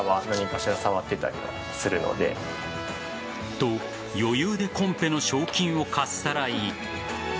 と、余裕でコンペの賞金をかっさらい